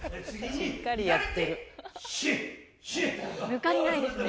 抜かりないですね。